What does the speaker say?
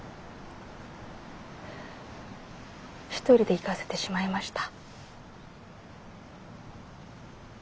独りで逝かせてしまいました。